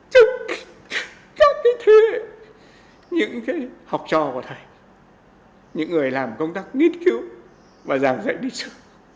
chúc các thầy những học trò của thầy những người làm công tác nghiên cứu và giảng dạy đại sứ